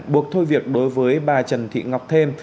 buộc thôi việc đối với bà trần thị ngọc thêm